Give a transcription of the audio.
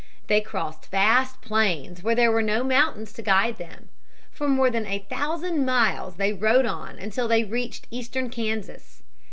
They crossed vast plains where there were no mountains to guide them. For more than a thousand miles they rode on until they reached eastern Kansas.